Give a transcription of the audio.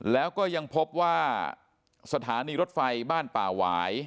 แล้วก็ยังพบว่าสถานีรถไฟบ้านป่าหวาย